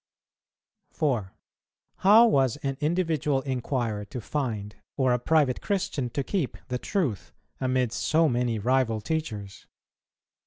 4. How was an individual inquirer to find, or a private Christian to keep the Truth, amid so many rival teachers?